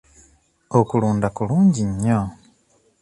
Okulunda kulungi nnyo.